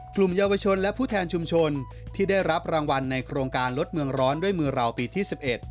กลุ่มเยาวชนและผู้แทนชุมชนที่ได้รับรางวัลในโครงการลดเมืองร้อนด้วยมือเราปีที่๑๑